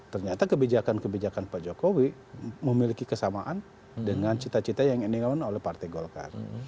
ternyata kebijakan kebijakan pak jokowi memiliki kesamaan dengan cita cita yang dibangun oleh partai golkar